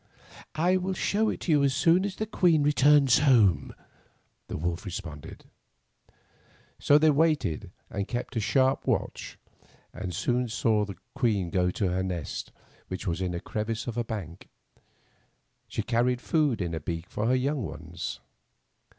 "I will show it to you as soon as the queen returns home," the wolf responded. So they waited, and kept a sharp watch, and soon saw the queen go to her nest, which was in a crevice of a bank. She carried food in her beak for her young ones.